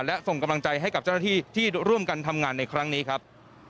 และส่งกำลังใจให้กับเจ้าหน้าที่ที่ร่วมกันทำงานในครั้งนี้ครับ